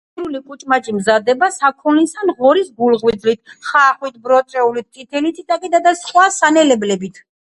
მეგრული კუჭმაჭი მზადდება საქონლის ან ღორის გულღვიძლით, ხახვით, ბროწეულით, წითელი წიწაკითა და სხვა სანენებლებით.